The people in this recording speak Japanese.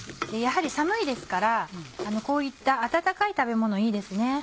やはり寒いですからこういった温かい食べ物いいですね。